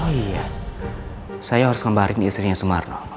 oh iya saya harus kembali di istrinya sumarno